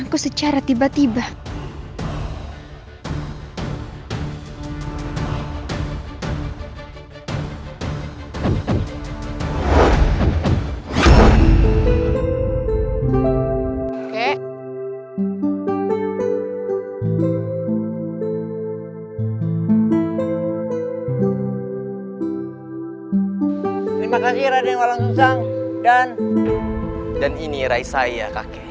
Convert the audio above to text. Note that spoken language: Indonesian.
dijabat hari raya